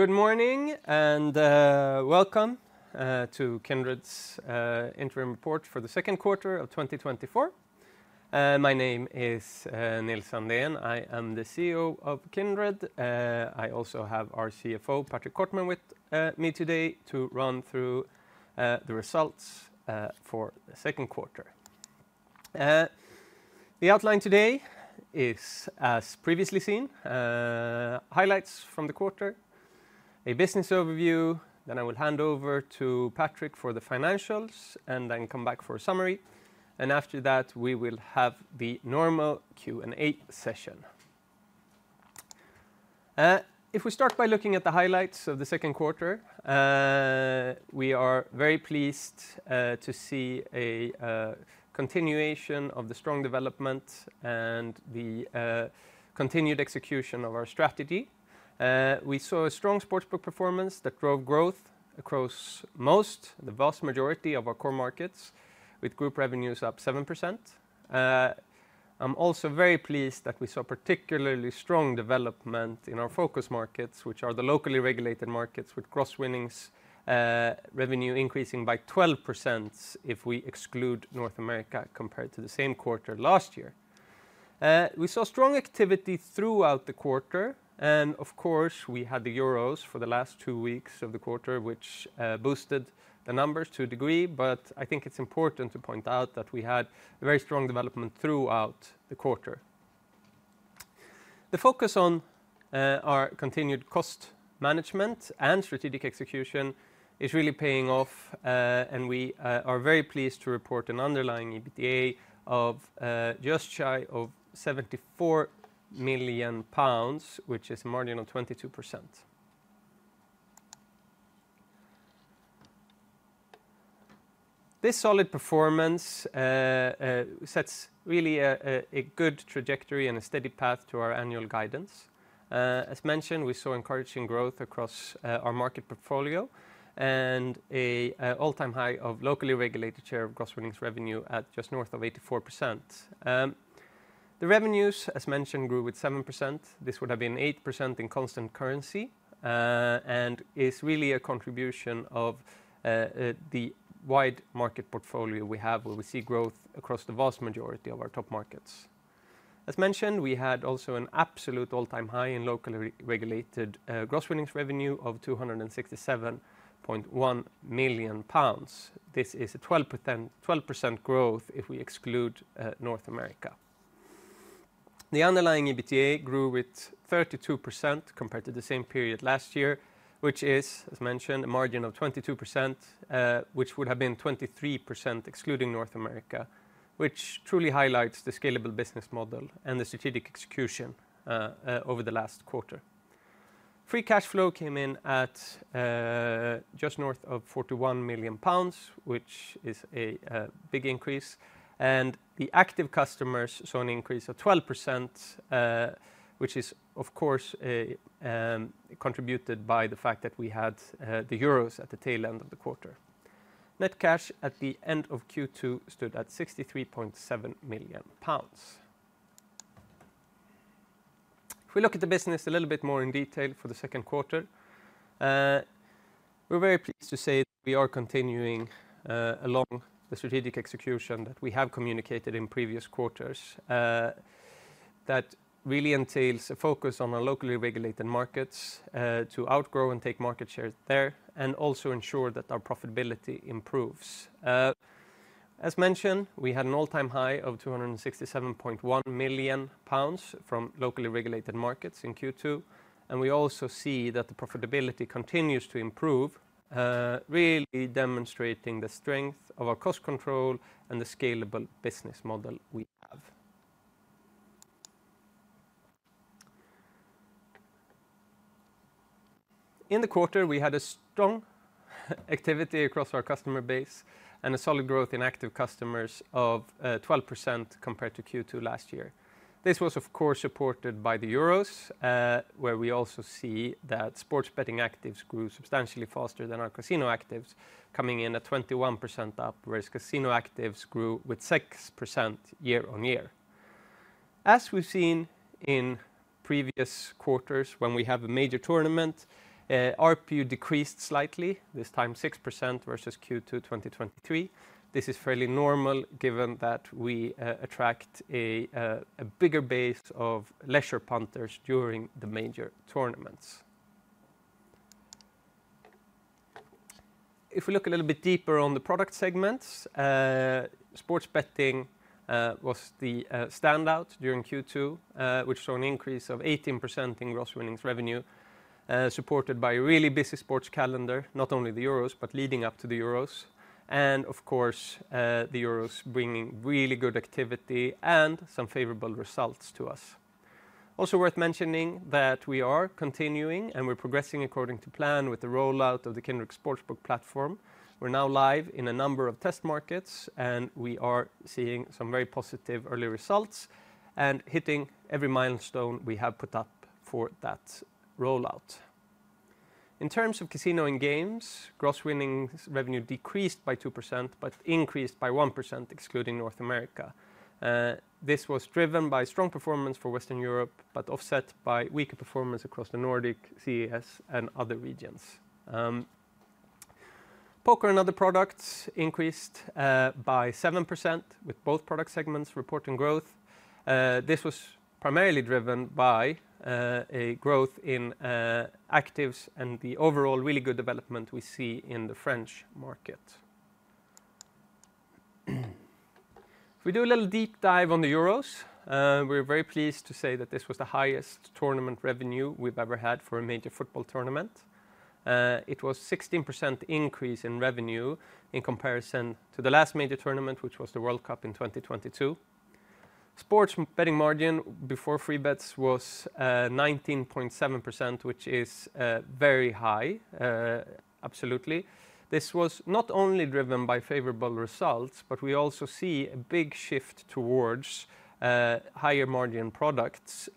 Good morning and welcome to Kindred's interim report for the second quarter of 2024. My name is Nils Andén, I am the CEO of Kindred. I also have our CFO, Patrick Kortman, with me today to run through the results for the second quarter. The outline today is, as previously seen, highlights from the quarter, a business overview, then I will hand over to Patrick for the financials and then come back for a summary. And after that, we will have the normal Q&A session. If we start by looking at the highlights of the second quarter, we are very pleased to see a continuation of the strong development and the continued execution of our strategy. We saw a strong sportsbook performance that drove growth across most, the vast majority of our core markets, with group revenues up 7%. I'm also very pleased that we saw particularly strong development in our focus markets, which are the locally regulated with gross winnings revenue increasing by 12% if we exclude North America compared to the same quarter last year. We saw strong activity throughout the quarter, and of course, we had the Euros for the last two weeks of the quarter, which boosted the numbers to a degree. But I think it's important to point out that we had very strong development throughout the quarter. The focus on our continued cost management and strategic execution is really paying off, and we are very pleased to report an Underlying EBITDA of just shy of 74 million pounds, which is a margin of 22%. This solid performance sets really a good trajectory and a steady path to our annual guidance. As mentioned, we saw encouraging growth across our market portfolio and an all-time high of locally regulated share gross winnings revenue at just north of 84%. The revenues, as mentioned, grew with 7%. This would have been 8% in constant currency and is really a contribution of the wide market portfolio we have, where we see growth across the vast majority of our top markets. As mentioned, we had also an absolute all-time high in locally gross winnings revenue of gbp 267.1 million. This is a 12% growth if we exclude North America. The Underlying EBITDA grew with 32% compared to the same period last year, which is, as mentioned, a margin of 22%, which would have been 23% excluding North America, which truly highlights the scalable business model and the strategic execution over the last quarter. Free cash flow came in at just north of 41 million pounds, which is a big increase, and the active customers saw an increase of 12%, which is, of course, contributed by the fact that we had the Euros at the tail end of the quarter. Net cash at the end of Q2 stood at 63.7 million pounds. If we look at the business a little bit more in detail for the second quarter, we're very pleased to say that we are continuing along the strategic execution that we have communicated in previous quarters. That really entails a focus on our locally regulated markets to outgrow and take market share there and also ensure that our profitability improves. As mentioned, we had an all-time high of 267.1 million pounds from locally regulated markets in Q2, and we also see that the profitability continues to improve, really demonstrating the strength of our cost control and the scalable business model we have. In the quarter, we had a strong activity across our customer base and a solid growth in active customers of 12% compared to Q2 last year. This was, of course, supported by the Euros, where we also see that sports betting actives grew substantially faster than our casino actives, coming in at 21% up, whereas casino actives grew with 6% year on year. As we've seen in previous quarters, when we have a major tournament, our ARPU decreased slightly, this time 6% versus Q2 2023. This is fairly normal given that we attract a bigger base of leisure punters during the major tournaments. If we look a little bit deeper on the product segments, sports betting was the standout during Q2, which saw an increase of 18% gross winnings revenue, supported by a really busy sports calendar, not only the Euros, but leading up to the Euros. And of course, the Euros bringing really good activity and some favorable results to us. Also worth mentioning that we are continuing and we're progressing according to plan with the rollout of the Kindred sportsbook Platform. We're now live in a number of test markets, and we are seeing some very positive early results and hitting every milestone we have put up for that rollout. In terms of casino and gross winnings revenue decreased by 2% but increased by 1% excluding North America. This was driven by strong performance for Western Europe, but offset by weaker performance across the Nordics, CES, and other regions. Poker and other products increased by 7% with both product segments reporting growth. This was primarily driven by a growth in actives and the overall really good development we see in the French market. If we do a little deep dive on the Euros, we're very pleased to say that this was the highest tournament revenue we've ever had for a major football tournament. It was a 16% increase in revenue in comparison to the last major tournament, which was the World Cup in 2022. Sports betting margin before free bets was 19.7%, which is very high, absolutely. This was not only driven by favorable results, but we also see a big shift towards higher margin products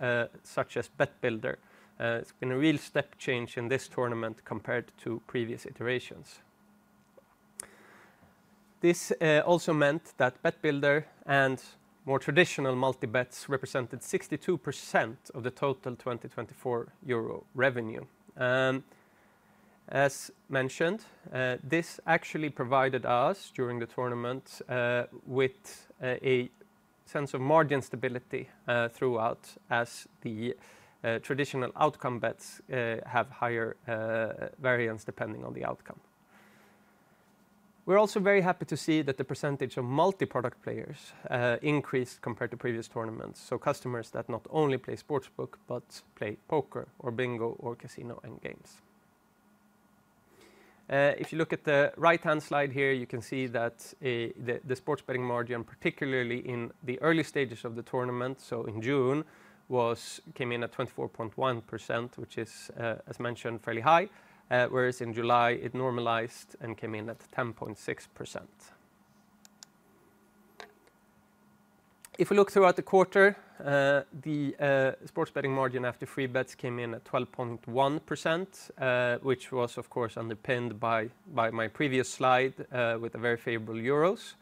such as Bet Builder. It's been a real step change in this tournament compared to previous iterations. This also meant that Bet Builder and more traditional multibets represented 62% of the total 2024 Euro revenue. As mentioned, this actually provided us during the tournament with a sense of margin stability throughout, as the traditional outcome bets have higher variance depending on the outcome. We're also very happy to see that the percentage of multi-product players increased compared to previous tournaments, so customers that not only play sportsbook but play poker or bingo or casino and games. If you look at the right-hand slide here, you can see that the sports betting margin, particularly in the early stages of the tournament, so in June, came in at 24.1%, which is, as mentioned, fairly high, whereas in July it normalized and came in at 10.6%. If we look throughout the quarter, the sports betting margin after free bets came in at 12.1%, which was, of course, underpinned by my previous slide with the very favorable Euros.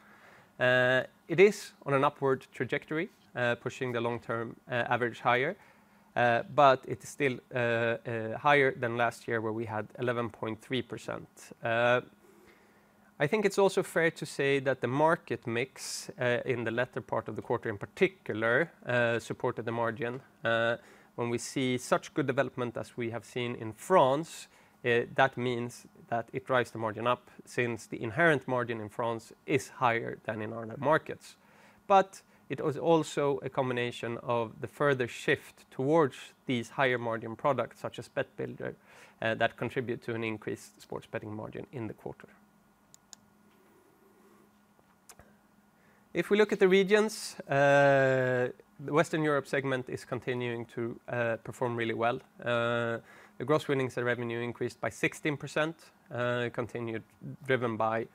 It is on an upward trajectory, pushing the long-term average higher, but it is still higher than last year, where we had 11.3%. I think it's also fair to say that the market mix in the latter part of the quarter in particular supported the margin. When we see such good development as we have seen in France, that means that it drives the margin up since the inherent margin in France is higher than in other markets. But it was also a combination of the further shift towards these higher margin products such as Bet Builder that contribute to an increased sports betting margin in the quarter. If we look at the regions, the Western Europe segment is continuing to perform really well. The gross winnings and revenue increased by 16%, continued driven by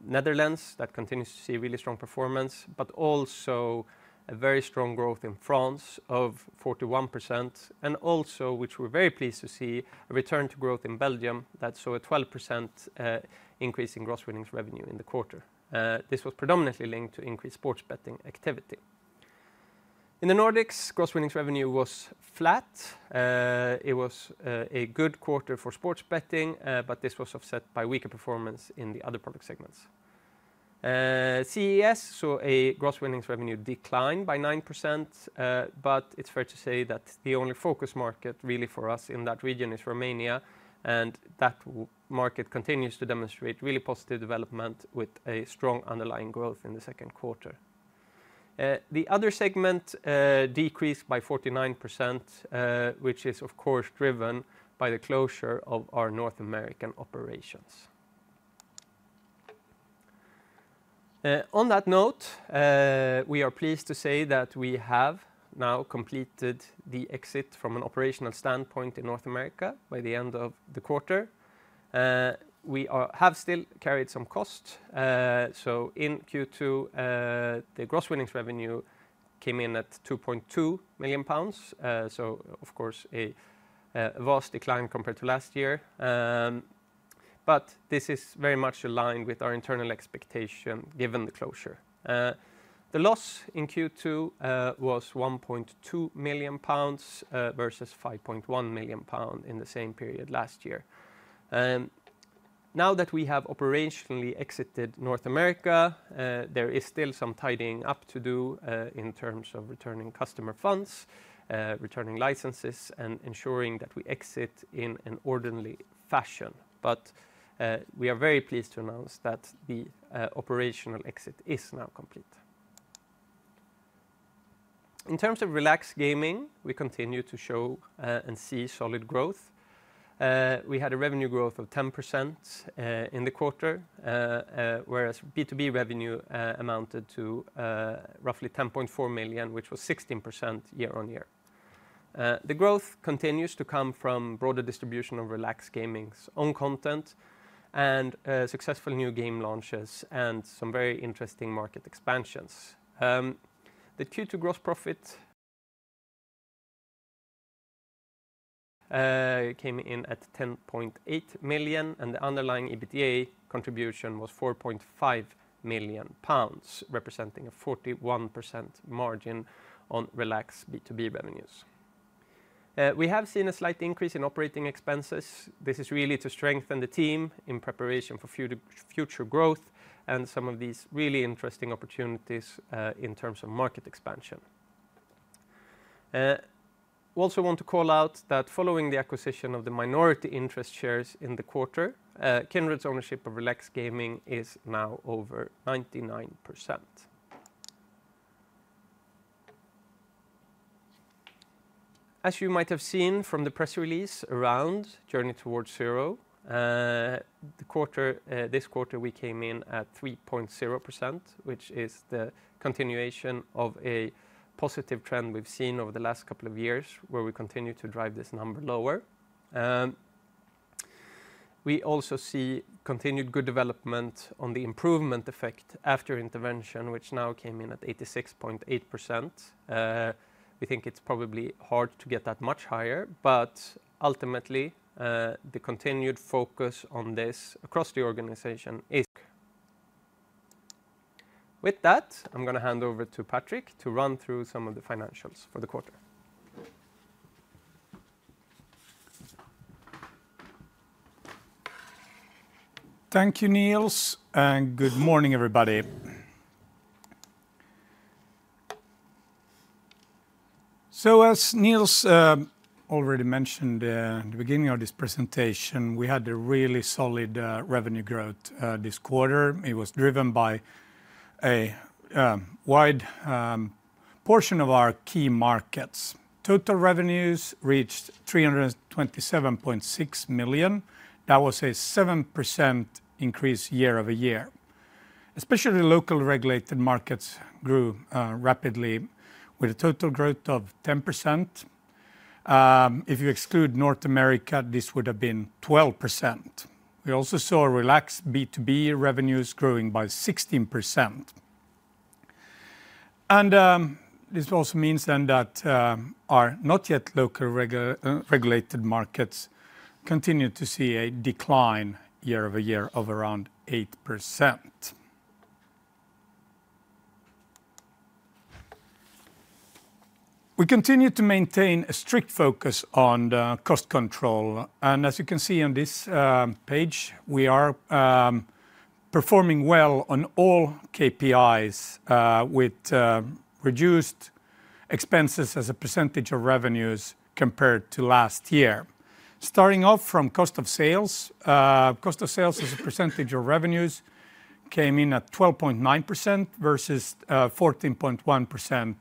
Netherlands that continues to see really strong performance, but also a very strong growth in France of 41%, and also, which we're very pleased to see, a return to growth in Belgium that saw a 12% increase gross winnings revenue in the quarter. This was predominantly linked to increased sports betting activity. In the gross winnings revenue was flat. It was a good quarter for sports betting, but this was offset by weaker performance in the other product segments. CES saw gross winnings revenue decline by 9%, but it's fair to say that the only focus market really for us in that region is Romania, and that market continues to demonstrate really positive development with a strong underlying growth in the second quarter. The other segment decreased by 49%, which is, of course, driven by the closure of our North American operations. On that note, we are pleased to say that we have now completed the exit from an operational standpoint in North America by the end of the quarter. We have still carried some costs. So in Q2, gross winnings revenue came in at 2.2 million pounds, so, of course, a vast decline compared to last year. But this is very much aligned with our internal expectation given the closure. The loss in Q2 was 1.2 million pounds versus 5.1 million pound in the same period last year. Now that we have operationally exited North America, there is still some tidying up to do in terms of returning customer funds, returning licenses, and ensuring that we exit in an orderly fashion. But we are very pleased to announce that the operational exit is now complete. In terms of Relax Gaming, we continue to show and see solid growth. We had a revenue growth of 10% in the quarter, whereas B2B revenue amounted to roughly 10.4 million, which was 16% year-on-year. The growth continues to come from broader distribution of Relax Gaming's own content and successful new game launches and some very interesting market expansions. The Q2 gross profit came in at 10.8 million, and Underlying EBITDA contribution was 4.5 million pounds, representing a 41% margin on Relax B2B revenues. We have seen a slight increase in operating expenses. This is really to strengthen the team in preparation for future growth and some of these really interesting opportunities in terms of market expansion. I also want to call out that following the acquisition of the minority interest shares in the quarter, Kindred's ownership of Relax Gaming is now over 99%. As you might have seen from the press release around Journey Towards Zero, this quarter we came in at 3.0%, which is the continuation of a positive trend we've seen over the last couple of years, where we continue to drive this number lower. We also see continued good development on the improvement effect after intervention, which now came in at 86.8%. We think it's probably hard to get that much higher, but ultimately, the continued focus on this across the organization is. With that, I'm going to hand over to Patrick to run through some of the financials for the quarter. Thank you, Nils, and good morning, everybody. So, as Nils already mentioned in the beginning of this presentation, we had a really solid revenue growth this quarter. It was driven by a wide portion of our key markets. Total revenues reached 327.6 million. That was a 7% increase year-over-year. Especially the locally regulated markets grew rapidly with a total growth of 10%. If you exclude North America, this would have been 12%. We also saw Relax's B2B revenues growing by 16%. And this also means then that our not yet locally regulated markets continue to see a decline year-over-year of around 8%. We continue to maintain a strict focus on cost control. And as you can see on this page, we are performing well on all KPIs with reduced expenses as a percentage of revenues compared to last year. Starting off from cost of sales, cost of sales as a percentage of revenues came in at 12.9% versus 14.1%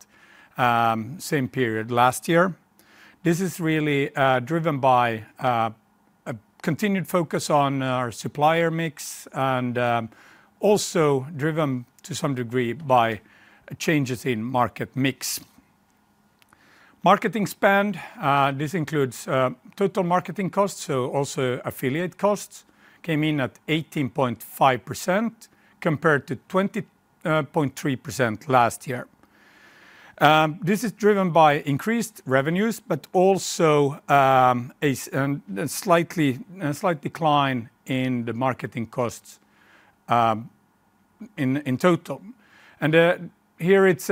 same period last year. This is really driven by a continued focus on our supplier mix and also driven to some degree by changes in market mix. Marketing spend, this includes total marketing costs, so also affiliate costs, came in at 18.5% compared to 20.3% last year. This is driven by increased revenues, but also a slight decline in the marketing costs in total. And here it's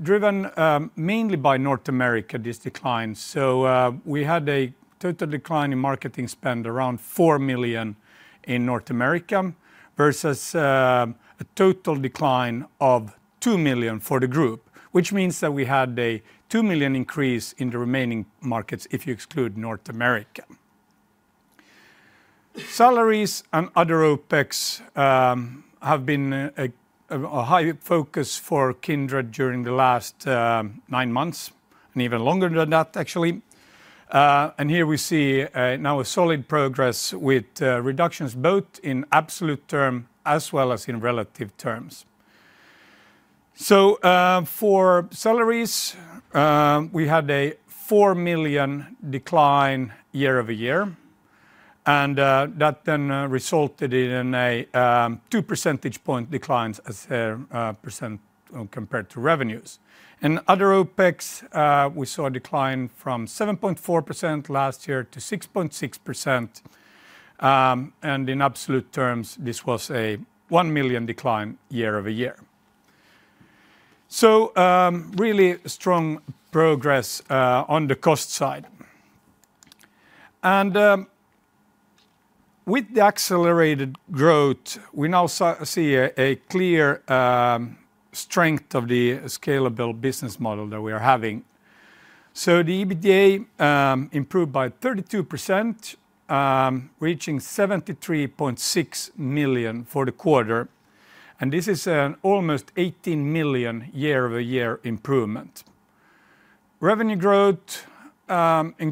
driven mainly by North America, this decline. So we had a total decline in marketing spend around 4 million in North America versus a total decline of 2 million for the group, which means that we had a 2 million increase in the remaining markets if you exclude North America. Salaries and other OpEx have been a high focus for Kindred during the last nine months and even longer than that, actually. Here we see now a solid progress with reductions both in absolute terms as well as in relative terms. For salaries, we had a 4 million decline year-over-year, and that then resulted in a two percentage point declines as a percent compared to revenues. In other OpEx, we saw a decline from 7.4% last year to 6.6%. In absolute terms, this was a 1 million decline year-over-year. Really strong progress on the cost side. With the accelerated growth, we now see a clear strength of the scalable business model that we are having. The EBITDA improved by 32%, reaching 73.6 million for the quarter. This is an almost 18 million year-over-year improvement. Revenue growth, and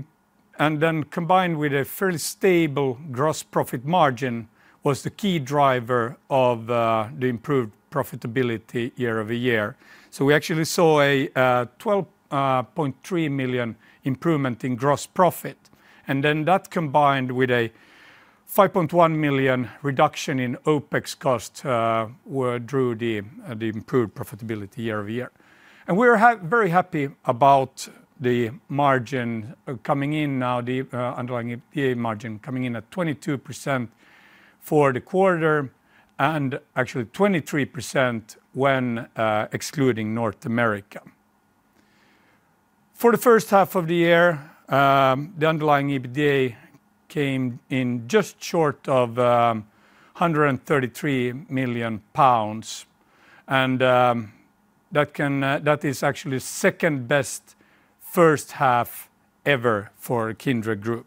then combined with a fairly stable gross profit margin, was the key driver of the improved profitability year-over-year. So we actually saw a 12.3 million improvement in gross profit. Then that combined with a 5.1 million reduction in OpEx cost drew the improved profitability year-over-year. We are very happy about the margin coming in now, the Underlying EBITDA margin coming in at 22% for the quarter and actually 23% when excluding North America. For the first half of the year, Underlying EBITDA came in just short of 133 million pounds. That is actually the second best first half ever for Kindred Group.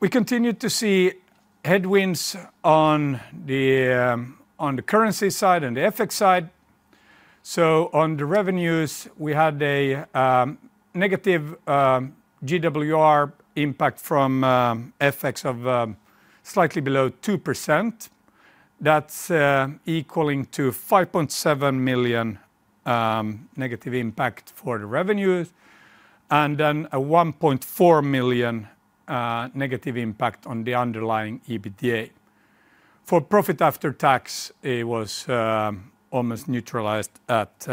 We continue to see headwinds on the currency side and the FX side. So on the revenues, we had a negative GWR impact from FX of slightly below 2%. That's equaling to 5.7 million negative impact for the revenues and then a 1.4 million negative impact on Underlying EBITDA. for profit after tax, it was almost neutralized at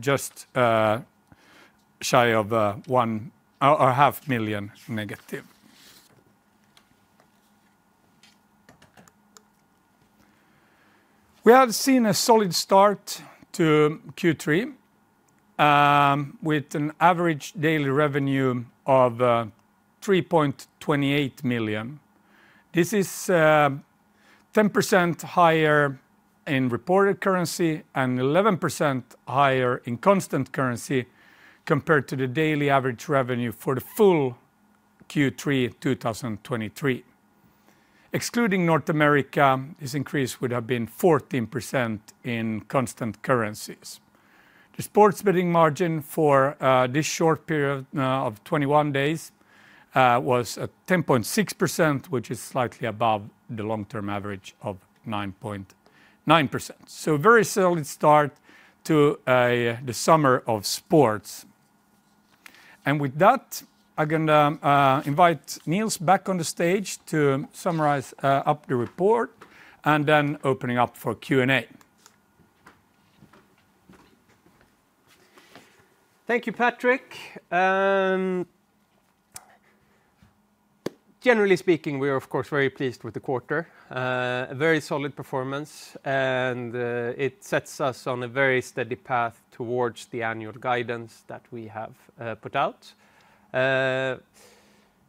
just shy of one or 0.5 million negative. We have seen a solid start to Q3 with an average daily revenue of 3.28 million. This is 10% higher in reported currency and 11% higher in constant currency compared to the daily average revenue for the full Q3 2023. Excluding North America, this increase would have been 14% in constant currencies. The sports betting margin for this short period of 21 days was at 10.6%, which is slightly above the long-term average of 9.9%. So very solid start to the summer of sports. And with that, I'm going to invite Nils back on the stage to summarize up the report and then opening up for Q&A. Thank you, Patrick. Generally speaking, we are, of course, very pleased with the quarter. A very solid performance, and it sets us on a very steady path towards the annual guidance that we have put out.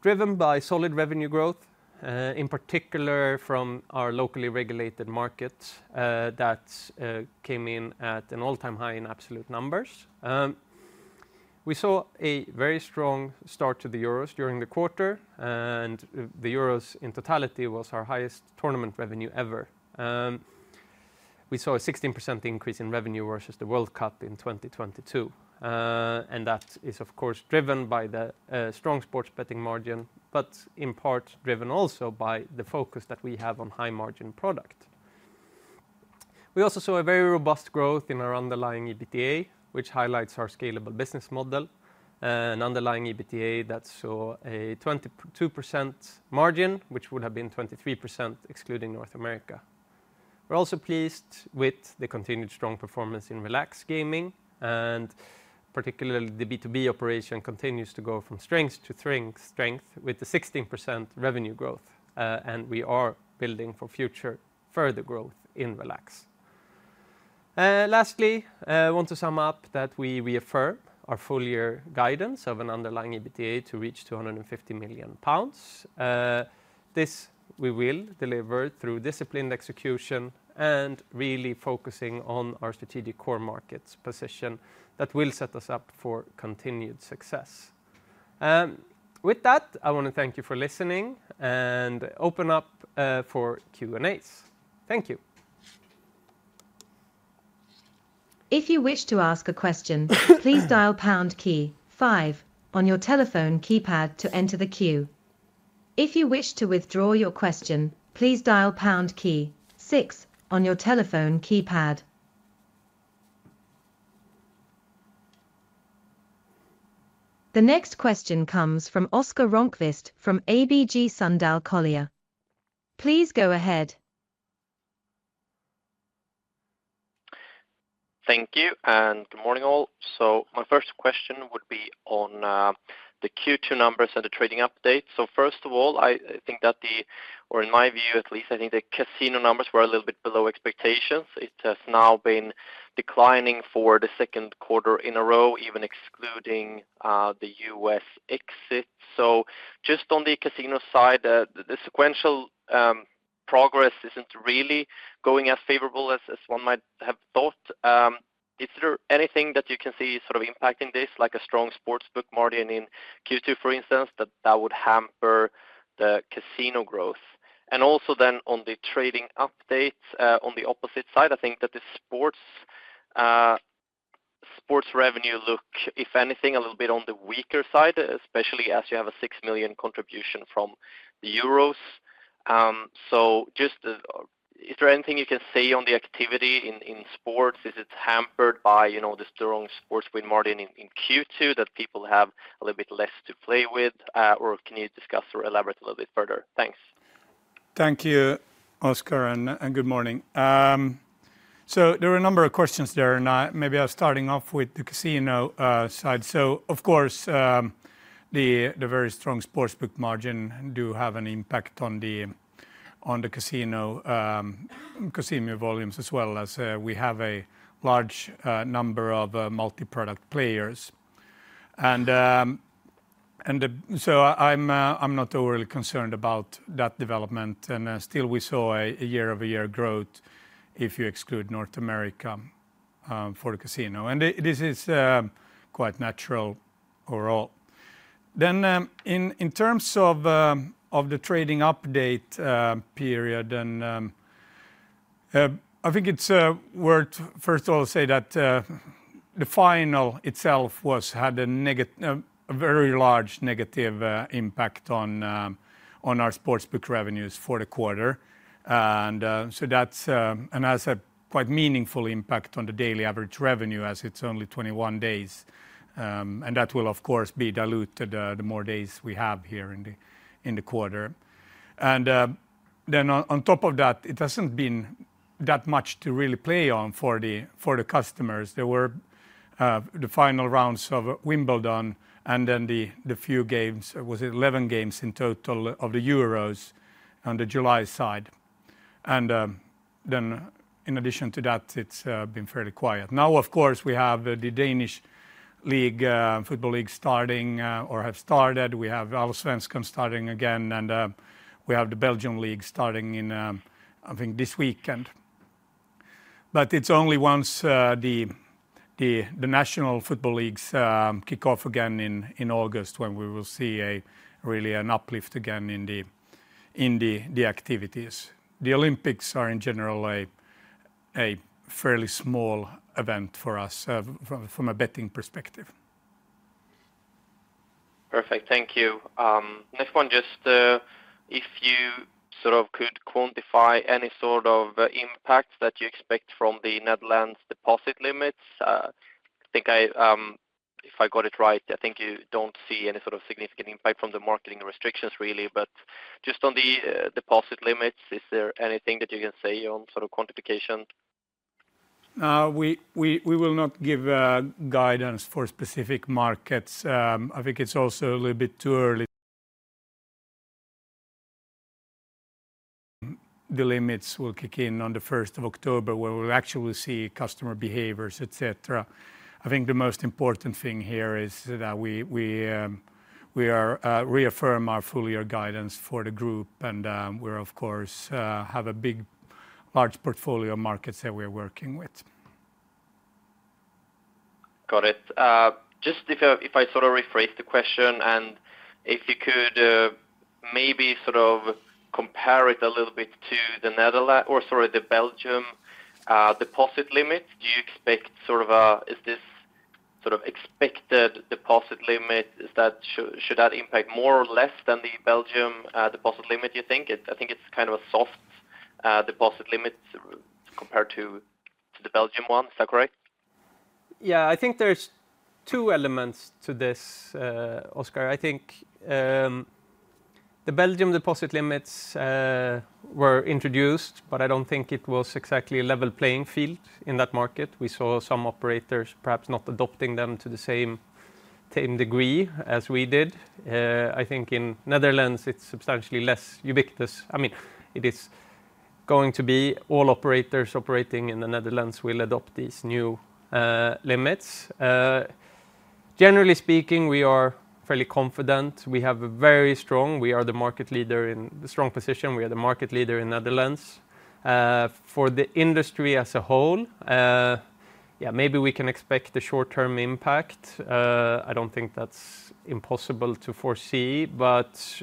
Driven by solid revenue growth, in particular from our locally regulated markets that came in at an all-time high in absolute numbers. We saw a very strong start to the Euros during the quarter, and the Euros in totality was our highest tournament revenue ever. We saw a 16% increase in revenue versus the World Cup in 2022. And that is, of course, driven by the strong sports betting margin, but in part driven also by the focus that we have on high-margin product. We also saw a very robust growth in our Underlying EBITDA, which highlights our scalable business model. An Underlying EBITDA that saw a 22% margin, which would have been 23% excluding North America. We're also pleased with the continued strong performance in Relax Gaming, and particularly the B2B operation continues to go from strength to strength with the 16% revenue growth. And we are building for future further growth in Relax Gaming. Lastly, I want to sum up that we reaffirm our full year guidance of an Underlying EBITDA to reach 250 million pounds. This we will deliver through disciplined execution and really focusing on our strategic core markets position that will set us up for continued success. With that, I want to thank you for listening and open up for Q&As. Thank you. If you wish to ask a question, please dial pound key five on your telephone keypad to enter the queue. If you wish to withdraw your question, please dial pound key six on your telephone keypad. The next question comes from Oscar Rönnkvist from ABG Sundal Collier. Please go ahead. Thank you and good morning all. So my first question would be on the Q2 numbers and the trading update. So first of all, I think that the, or in my view at least, I think the casino numbers were a little bit below expectations. It has now been declining for the second quarter in a row, even excluding the U.S. exit. So just on the casino side, the sequential progress isn't really going as favorable as one might have thought. Is there anything that you can see sort of impacting this, like a strong sports book margin in Q2, for instance, that that would hamper the casino growth? And also then on the trading updates on the opposite side, I think that the sports revenue look, if anything, a little bit on the weaker side, especially as you have a 6 million contribution from the Euros. So just is there anything you can say on the activity in sports? Is it hampered by the strong sports book margin in Q2 that people have a little bit less to play with? Or can you discuss or elaborate a little bit further? Thanks. Thank you, Oscar, and good morning. So there are a number of questions there, and maybe I'll starting off with the casino side. So of course, the very strong sports book margin do have an impact on the casino volumes as well as we have a large number of multi-product players. And so I'm not overly concerned about that development. And still, we saw a year-over-year growth if you exclude North America for the casino. And this is quite natural overall. Then in terms of the trading update period, then I think it's worth first of all to say that the final itself had a very large negative impact on our sportsbook revenues for the quarter. And so that has a quite meaningful impact on the daily average revenue as it's only 21 days. And that will, of course, be diluted the more days we have here in the quarter. And then on top of that, it hasn't been that much to really play on for the customers. There were the final rounds of Wimbledon and then the few games, was it 11 games in total of the Euros on the July side. And then in addition to that, it's been fairly quiet. Now, of course, we have the Danish League football league starting or have started. We have Allsvenskan starting again, and we have the Belgian league starting in, I think, this weekend. But it's only once the national football leagues kick off again in August when we will see really an uplift again in the activities. The Olympics are in general a fairly small event for us from a betting perspective. Perfect. Thank you. Next one, just if you sort of could quantify any sort of impact that you expect from the Netherlands deposit limits. I think if I got it right, I think you don't see any sort of significant impact from the marketing restrictions really. But just on the deposit limits, is there anything that you can say on sort of quantification? We will not give guidance for specific markets. I think it's also a little bit too early. The limits will kick in on the 1st of October where we'll actually see customer behaviors, etc. I think the most important thing here is that we reaffirm our full year guidance for the group and we're, of course, have a big large portfolio of markets that we are working with. Got it. Just if I sort of rephrase the question and if you could maybe sort of compare it a little bit to the Netherlands or sorry, the Belgium deposit limit, do you expect sort of a, is this sort of expected deposit limit? Should that impact more or less than the Belgium deposit limit you think? I think it's kind of a soft deposit limit compared to the Belgium one. Is that correct? Yeah, I think there's two elements to this, Oscar. I think the Belgium deposit limits were introduced, but I don't think it was exactly a level playing field in that market. We saw some operators perhaps not adopting them to the same degree as we did. I think in Netherlands, it's substantially less ubiquitous. I mean, it is going to be all operators operating in the Netherlands will adopt these new limits. Generally speaking, we are fairly confident. We have a very strong, we are the market leader in the strong position. We are the market leader in Netherlands for the industry as a whole. Yeah, maybe we can expect a short-term impact. I don't think that's impossible to foresee, but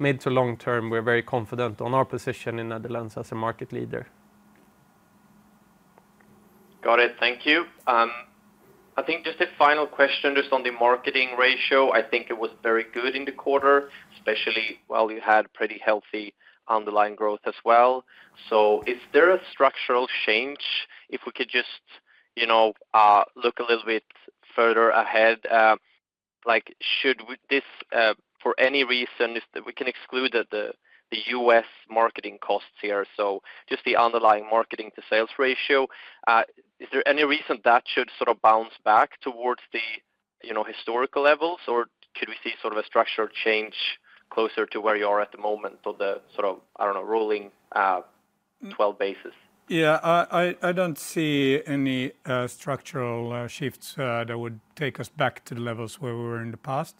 mid to long term, we're very confident on our position in Netherlands as a market leader. Got it. Thank you. I think just a final question just on the marketing ratio. I think it was very good in the quarter, especially while you had pretty healthy underlying growth as well. So is there a structural change? If we could just look a little bit further ahead, like should this for any reason we can exclude the U.S. marketing costs here. So just the underlying marketing to sales ratio, is there any reason that should sort of bounce back towards the historical levels or could we see sort of a structural change closer to where you are at the moment of the sort of, I don't know, rolling 12 basis? Yeah, I don't see any structural shifts that would take us back to the levels where we were in the past.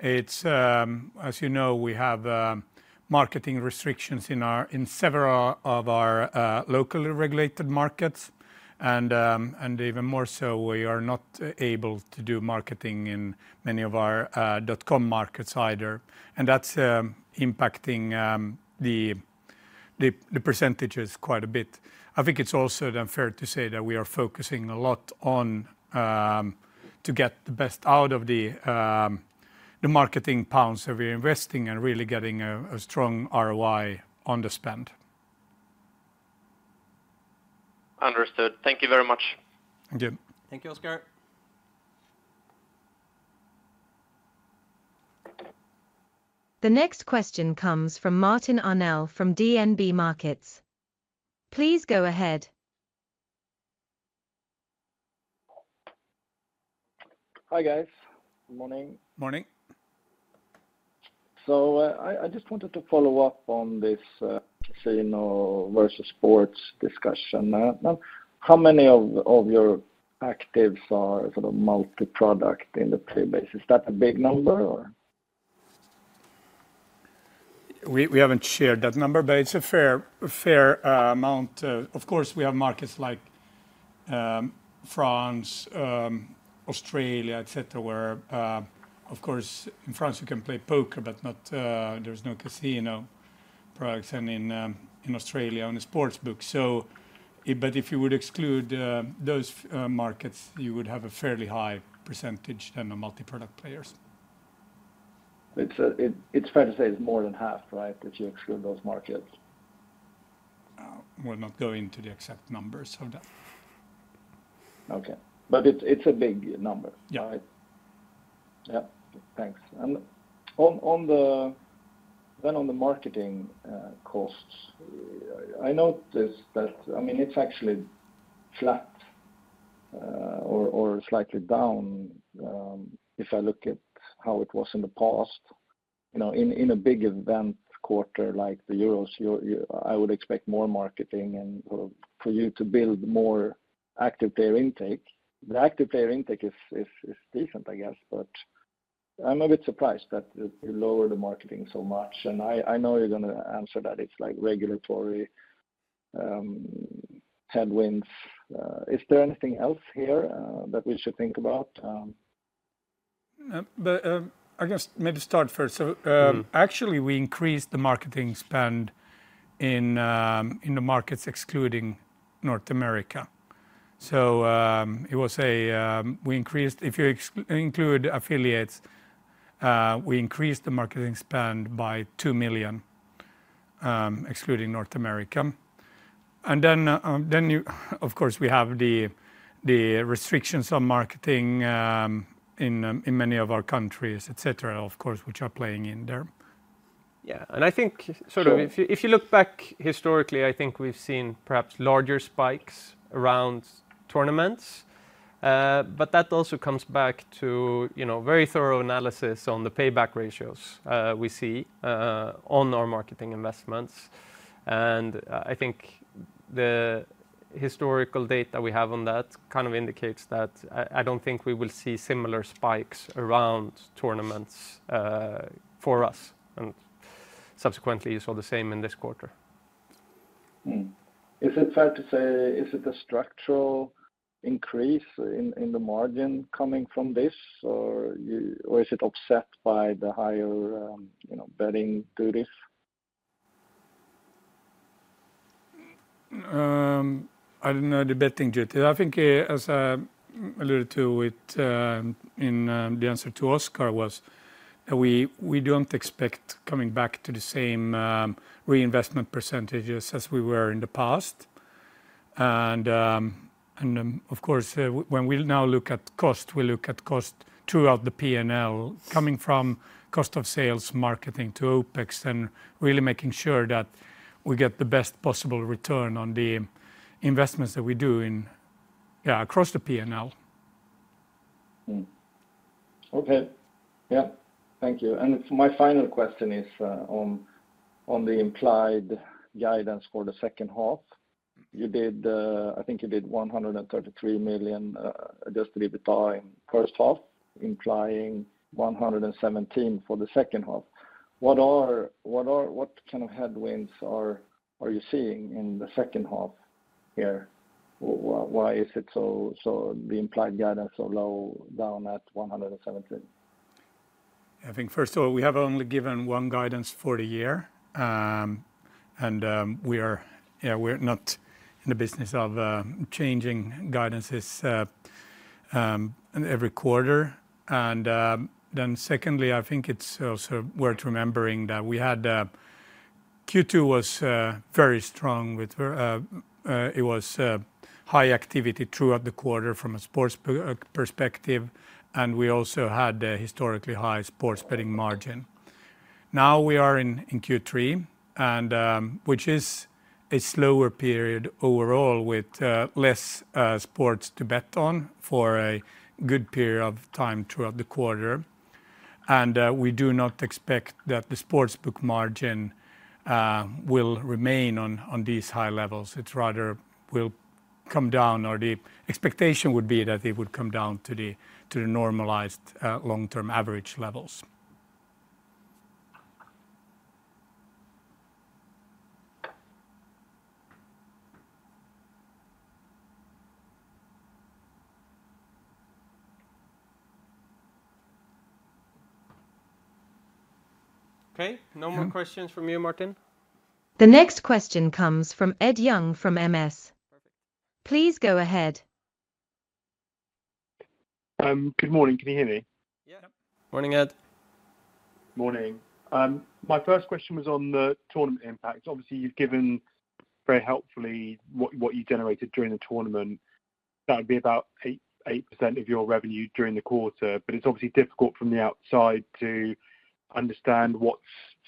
As you know, we have marketing restrictions in several of our locally regulated markets. And even more so, we are not able to do marketing in many of our dot-com markets either. And that's impacting the percentages quite a bit. I think it's also then fair to say that we are focusing a lot on to get the best out of the marketing pounds that we're investing and really getting a strong ROI on the spend. Understood. Thank you very much. Thank you. Thank you, Oscar. The next question comes from Martin Arnell from DNB Markets. Please go ahead. Hi guys. Good morning. Morning. So I just wanted to follow up on this casino versus sports discussion. How many of your actives are sort of multi-product in the play base? Is that a big number or? We haven't shared that number, but it's a fair amount. Of course, we have markets like France, Australia, etc., where of course in France you can play poker, but there's no casino products and in Australia on the sports book. But if you would exclude those markets, you would have a fairly high percentage than the multi-product players. It's fair to say it's more than half, right, if you exclude those markets? We're not going to the exact numbers of that. Okay. But it's a big number, right? Yeah. Yeah. Thanks. And then on the marketing costs, I noticed that, I mean, it's actually flat or slightly down if I look at how it was in the past. In a big event quarter like the Euros, I would expect more marketing and for you to build more active player intake. The active player intake is decent, I guess, but I'm a bit surprised that you lower the marketing so much. I know you're going to answer that it's like regulatory headwinds. Is there anything else here that we should think about? I guess maybe start first. So actually we increased the marketing spend in the markets excluding North America. So it was, we increased, if you include affiliates, we increased the marketing spend by 2 million excluding North America. And then of course we have the restrictions on marketing in many of our countries, etc., of course, which are playing in there. Yeah. And I think sort of if you look back historically, I think we've seen perhaps larger spikes around tournaments. But that also comes back to very thorough analysis on the payback ratios we see on our marketing investments. And I think the historical data we have on that kind of indicates that I don't think we will see similar spikes around tournaments for us. And subsequently you saw the same in this quarter. Is it fair to say, is it a structural increase in the margin coming from this or is it offset by the higher betting duties? I don't know the betting duties. I think as I alluded to it in the answer to Oscar was that we don't expect coming back to the same reinvestment percentages as we were in the past. And of course when we now look at cost, we look at cost throughout the P&L coming from cost of sales marketing to OpEx and really making sure that we get the best possible return on the investments that we do across the P&L. Okay. Yeah. Thank you. And my final question is on the implied guidance for the second half. You did, I think you did 133 million just to be betting first half, implying 117 million for the second half. What kind of headwinds are you seeing in the second half here? Why is the implied guidance so low down at 117 million? I think first of all we have only given one guidance for the year. We're not in the business of changing guidances every quarter. Then secondly, I think it's also worth remembering that we had Q2 was very strong with it was high activity throughout the quarter from a sports perspective. We also had a historically high sports betting margin. Now we are in Q3, which is a slower period overall with less sports to bet on for a good period of time throughout the quarter. We do not expect that the sports book margin will remain on these high levels. It's rather will come down, or the expectation would be that it would come down to the normalized long-term average levels. Okay. No more questions from you, Martin? The next question comes from Ed Young from Morgan Stanley. Please go ahead. Good morning. Can you hear me? Yeah. Morning, Ed. Morning. My first question was on the tournament impact. Obviously, you've given very helpfully what you generated during the tournament. That would be about 8% of your revenue during the quarter. But it's obviously difficult from the outside to understand what's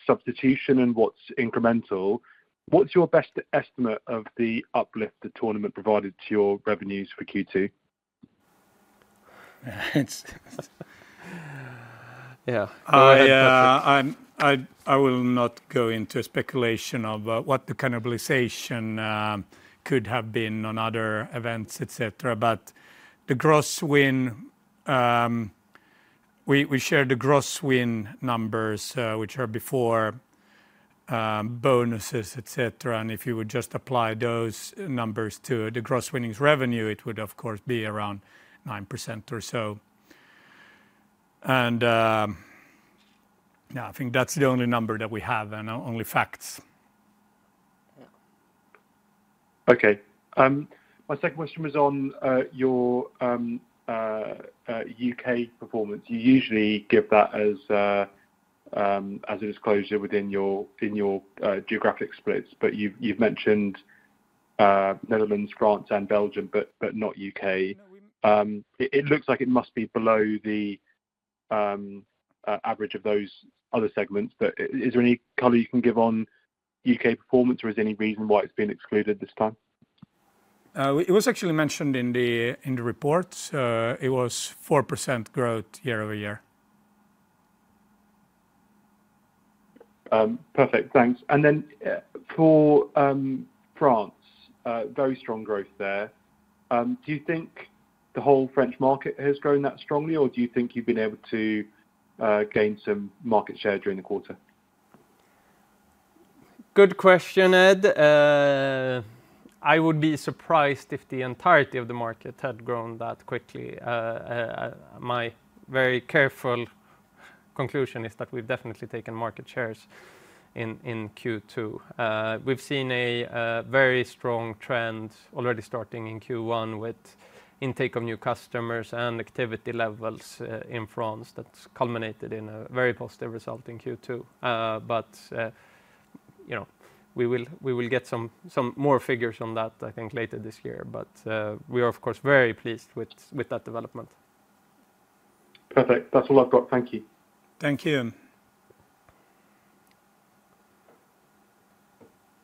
substitution and what's incremental. What's your best estimate of the uplift the tournament provided to your revenues for Q2? Yeah. I will not go into speculation of what the cannibalization could have been on other events, etc. But the gross win, we share the gross win numbers, which are before bonuses, etc. If you would just apply those numbers to gross winnings revenue, it would of course be around 9% or so. Yeah, I think that's the only number that we have and only facts. Okay. My second question was on your U.K. performance. You usually give that as a disclosure within your geographic splits. But you've mentioned Netherlands, France, and Belgium, but not U.K.. It looks like it must be below the average of those other segments. But is there any color you can give on U.K. performance or is there any reason why it's been excluded this time? It was actually mentioned in the report. It was 4% growth year-over-year. Perfect. Thanks. And then for France, very strong growth there. Do you think the whole French market has grown that strongly or do you think you've been able to gain some market share during the quarter? Good question, Ed. I would be surprised if the entirety of the market had grown that quickly. My very careful conclusion is that we've definitely taken market shares in Q2. We've seen a very strong trend already starting in Q1 with intake of new customers and activity levels in France that culminated in a very positive result in Q2. But we will get some more figures on that, I think, later this year. But we are of course very pleased with that development. Perfect. That's all I've got. Thank you. Thank you.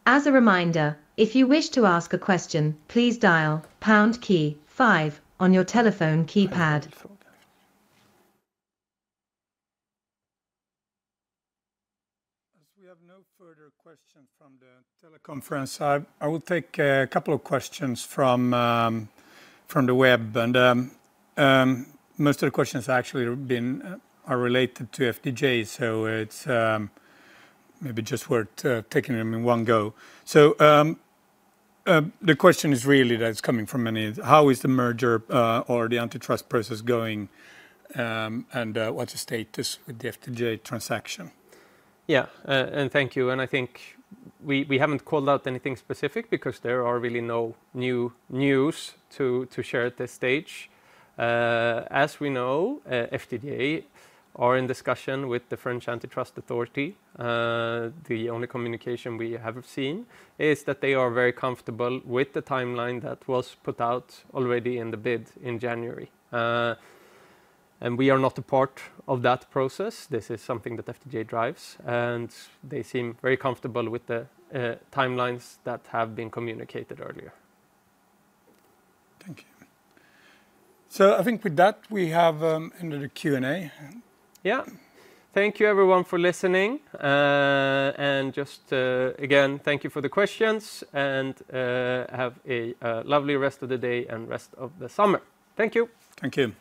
As a reminder, if you wish to ask a question, please dial pound key five on your telephone keypad. As we have no further questions from the teleconference, I will take a couple of questions from the web. Most of the questions actually are related to FDJ, so it's maybe just worth taking them in one go. The question is really that it's coming from many. How is the merger or the antitrust process going and what's the status with the FDJ transaction? Yeah. And thank you. I think we haven't called out anything specific because there are really no news to share at this stage. As we know, FDJ are in discussion with the French Antitrust Authority. The only communication we have seen is that they are very comfortable with the timeline that was put out already in the bid in January. We are not a part of that process. This is something that FDJ drives. They seem very comfortable with the timelines that have been communicated earlier. Thank you. I think with that, we have ended the Q&A. Yeah. Thank you everyone for listening. Just again, thank you for the questions and have a lovely rest of the day and rest of the summer. Thank you. Thank you.